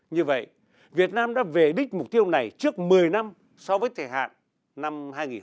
như vậy việt nam đã về đích mục tiêu này trước một mươi năm so với thời hạn năm hai nghìn một mươi